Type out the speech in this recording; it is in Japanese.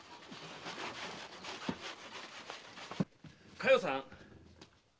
佳代さん。